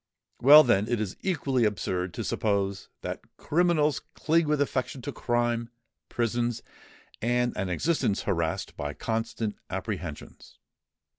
Well, then, it is equally absurd to suppose that criminals cling with affection to crime, prisons, and an existence harassed by constant apprehensions.